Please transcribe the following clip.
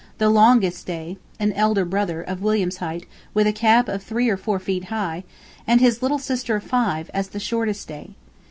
the longest day, an elder brother, of William's height, with a cap of three or four feet high; and his little sister of five, as the shortest day.